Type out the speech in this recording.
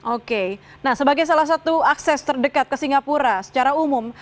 oke nah sebagai salah satu akses terdekat ke singapura secara umum